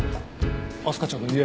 明日香ちゃんの家。